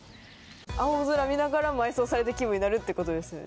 青空見ながら埋葬された気分になるってことですよね？